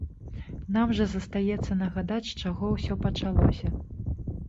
Нам жа застаецца нагадаць, з чаго ўсё пачалося.